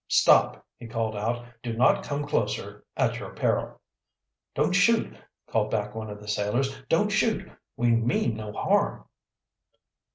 "Stop!" he called out. "Do not come closer at your peril!" "Don't shoot!" called back one of the sailors. "Don't shoot! We mean no harm."